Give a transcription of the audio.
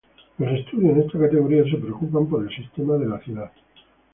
Los estudios en esta categoría se preocupan por el sistema de la ciudad.